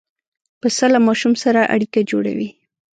پسه له ماشوم سره اړیکه جوړوي.